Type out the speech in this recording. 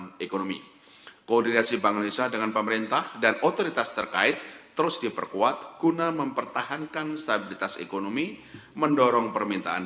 sehingga mendukungnya bank indonesia memandang bahwa penguatan nilai tukar rupiah memberikan dampak positif terhadap momentum perusahaan